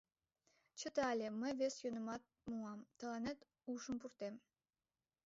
Чыте але, мый вес йӧнымат муам, тыланет ушым пуртем.